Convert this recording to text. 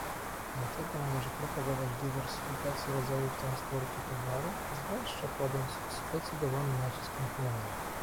Dlatego należy propagować dywersyfikację rodzajów transportu towarów, zwłaszcza kładąc zdecydowany nacisk na kolej